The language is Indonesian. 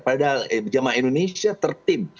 padahal jama'ah indonesia tertib